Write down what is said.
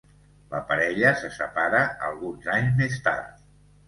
La parella se separa alguns anys més tard.